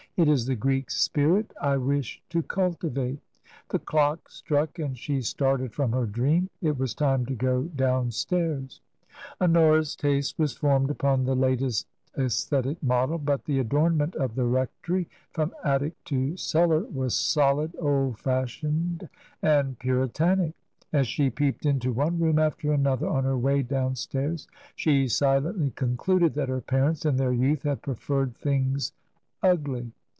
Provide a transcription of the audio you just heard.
It is the Greek spirit I wish to cultivate." The clock struck, and she started from her dream. It was time to go downstairs. Honora's taste was formed upon the latest aesthetic model, but the adornment of the rectory from attic to cellar was solid, old fashioned, and puritanic. As she peeped into one room after another on her way down stairs, she silently concluded that her parents in their youth had preferred things ugly.